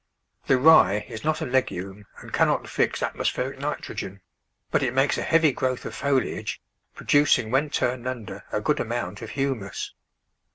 The rye is not a legume and cannot fix atmospheric nitrogen, but it makes a heavy growth of foliage, producing when turned under a good amount of humus.